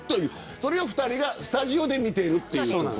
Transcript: それを２人がスタジオで見ている。